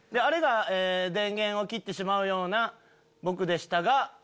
あれが「電源を切ってしまうような僕でしたが」。